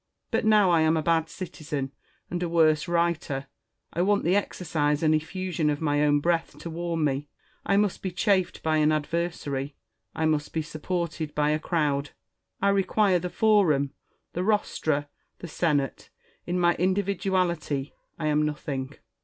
But now I am a bad citizen and a worse writer : I want the exercise and effusion of my own breath to warm me; I must be chafed by an adversary ; I must be supported by a crowd ; I require the Forum, the Rostra, the Senate : in my individuality I am nothing.